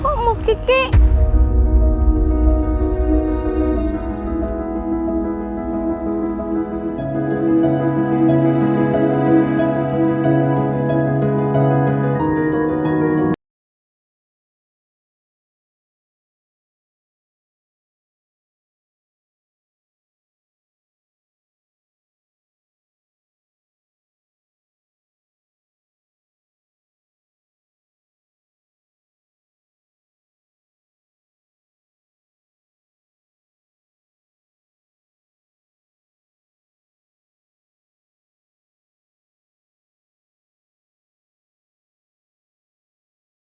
kado yang kiki kasih buat mas randy